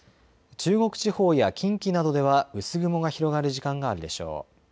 中国地方や近畿などでは薄雲が広がる時間があるでしょう。